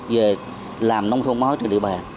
về làm nông thuần mới trên địa bàn